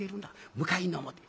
向かいの表へ。